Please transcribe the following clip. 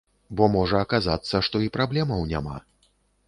Бо можа аказацца, што і праблемаў няма.